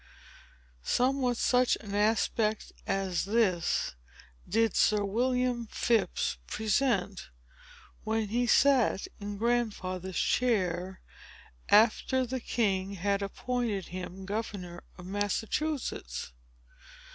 Somewhat such an aspect as this, did Sir William Phips present, when he sat in Grandfather's chair, after the king had appointed him governor of Massachusetts.